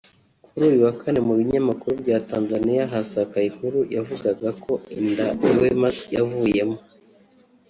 Kuri uyu wa Kane mu binyamakuru bya Tanzania hasakaye inkuru yavugaga ko inda ya Wema yavuyemo